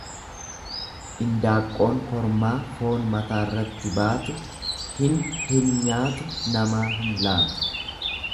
Indaanqoon kormaa foon mataarratti baatu hin hin nyaatu, namaa hin laatu.